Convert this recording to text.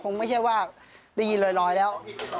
คงไม่ใช่ว่าได้ยินลอยแล้ว